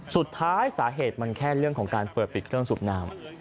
สาเหตุมันแค่เรื่องของการเปิดปิดเครื่องสูบน้ำ